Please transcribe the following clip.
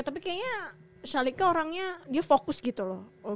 tapi kayaknya salika orangnya dia fokus gitu loh